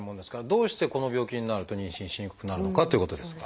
どうしてこの病気になると妊娠しにくくなるのかということですが。